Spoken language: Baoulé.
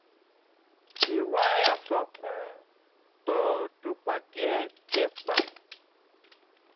Mi wa yassua kun tɔ tupkatʃɛ tɛ kpa.